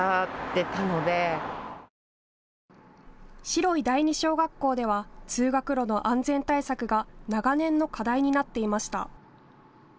白井第二小学校では通学路の安全対策が長年の課題になっていました。